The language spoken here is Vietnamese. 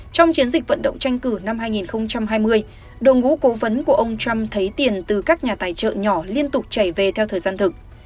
trong chiến dịch vận động tranh cử năm hai nghìn hai mươi đội ngũ cố vấn của ông trump thấy tiền từ các nhà tài trợ nhỏ liên tục chảy về theo thời gian thực